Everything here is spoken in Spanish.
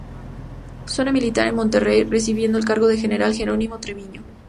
Zona Militar, en Monterrey, recibiendo el cargo del general Jerónimo Treviño.